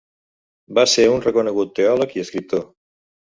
Va ser un reconegut teòleg i escriptor.